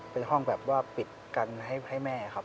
เป็นห้องแบบว่าปิดกันให้แม่ครับ